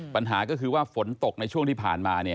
ปัญหาก็คือว่าฝนตกในช่วงที่ผ่านมา